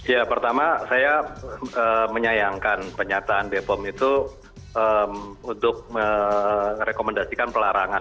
ya pertama saya menyayangkan penyataan bepom itu untuk merekomendasikan pelarangan